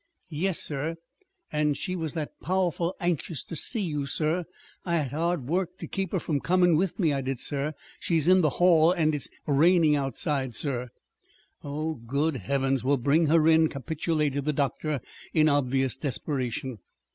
"Yes, sir. And she was that powerful anxious to see you, sir. I had hard work to keep her from coming with me. I did, sir. She's in the hall. And it's raining outside, sir." "Oh, good Heavens! Well, bring her in," capitulated the doctor in obvious desperation.